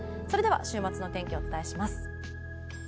それでは週末の天気お伝えします。